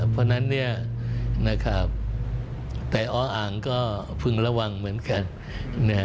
เพราะฉะนั้นแต่ออ่างก็พึงระวังเหมือนกัน